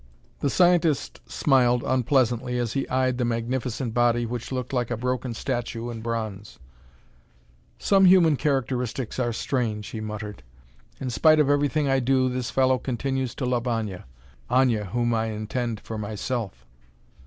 The scientist smiled unpleasantly as he eyed the magnificent body which looked like a broken statue in bronze. "Some human characteristics are strange," he muttered. "In spite of everything I do, this fellow continues to love Aña: Aña whom I intend for myself."